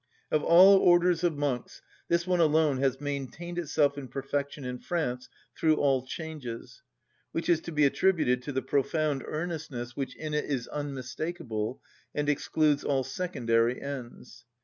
Of all orders of monks, this one alone has maintained itself in perfection in France, through all changes; which is to be attributed to the profound earnestness which in it is unmistakable, and excludes all secondary ends.